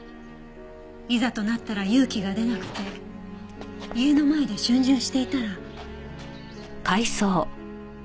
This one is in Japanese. いざとなったら勇気が出なくて家の前で逡巡していたら。